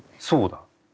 そうだ！